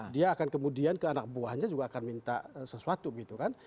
dia akan kemudian ke anak buahnya juga akan minta sesuatu gitu kan